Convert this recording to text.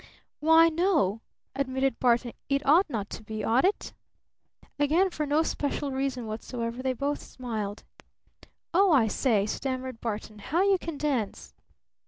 "Why, no," admitted Barton; "it ought not to be, ought it?" Again for no special reason whatsoever they both smiled. "Oh, I say," stammered Barton. "How you can dance!"